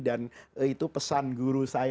dan itu pesan guru saya